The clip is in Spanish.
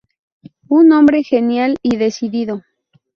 Un hombre genial y decidido.